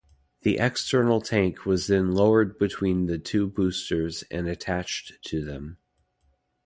The External Tank was then lowered between the two boosters and attached to them.